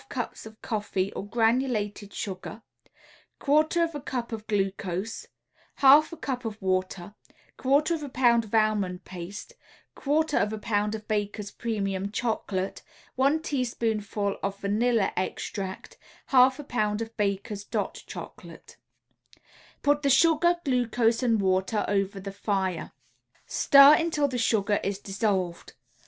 ] 2 1/2 cups of coffee A or granulated sugar, 1/4 a cup of glucose, 1/2 a cup of water, 1/4 a pound of almond paste, 1/4 a pound of Baker's Premium Chocolate, 1 teaspoonful of vanilla extract, 1/2 a pound of Baker's "Dot" Chocolate. Put the sugar, glucose and water over the fire. Stir until the sugar is dissolved.